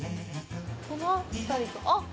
この辺りかな、あっ！